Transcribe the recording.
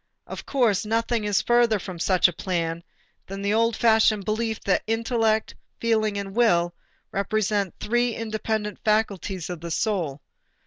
Of course, nothing is further from such a plan than the old fashioned belief that intellect, feeling, and will represent three independent faculties of the soul.